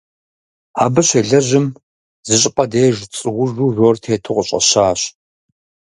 Абы щелэжьым зыщӏыпӏэ деж цӏуужу жор тету къыщӏэщащ.